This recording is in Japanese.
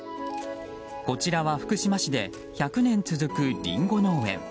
こちらは福島市で１００年続くリンゴ農園。